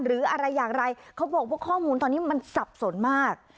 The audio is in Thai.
หรืออะไรอย่างไรเขาบอกว่าข้อมูลตอนนี้มันสับสนมาก